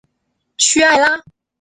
屈埃拉。